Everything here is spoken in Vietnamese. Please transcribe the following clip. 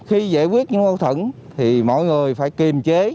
khi giải quyết những vấn thận thì mọi người phải kiềm chế